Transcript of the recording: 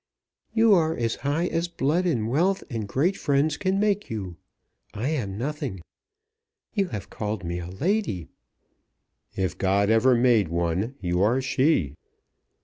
"You are as high as blood and wealth and great friends can make you. I am nothing. You have called me a lady." "If God ever made one, you are she."